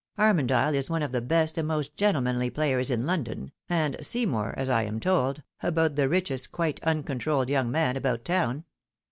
Armondyle is one of the best and most gentlemanly players in London ; and Seymour, as I am told, about the richest quite uncontrolled young man about town.